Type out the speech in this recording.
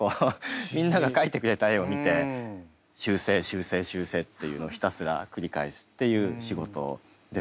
みんなが描いてくれた絵を見て修正修正修正っていうのをひたすら繰り返すっていう仕事です。